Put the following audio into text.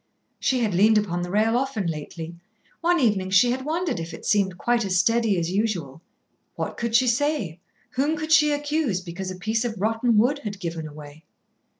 She had leaned upon the rail often lately; one evening she had wondered if it seemed quite as steady as usual. What could she say, whom could she accuse, because a piece of rotten wood had given away.